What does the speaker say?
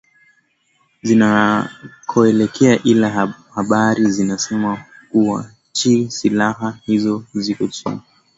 zinakoelekea ila habari zinasema kuwa chi silaha hizo ziko chini